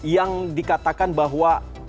yang dikatakan bahwa